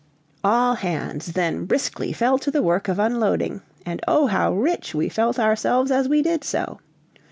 All hands then briskly fell to the work of unloading, and oh, how rich we felt ourselves as we did so!